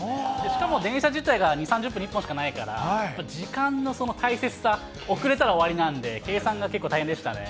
しかも電車自体が２、３０分に１本しかないから、時間の大切さ、遅れたら終わりなんで、計算が結構大変でしたね。